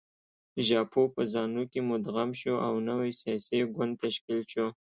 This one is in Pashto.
زاپو په زانو کې مدغم شو او نوی سیاسي ګوند تشکیل شو.